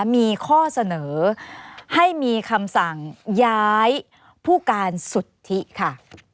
มีข้อเสนอให้มีคำสั่งย้ายผู้การสุทธิค่ะ